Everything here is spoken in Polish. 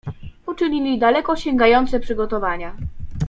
"Poczynili daleko sięgające przygotowania."